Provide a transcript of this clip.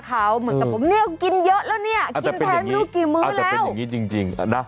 เอาแต่เป็นอย่างนี้จริง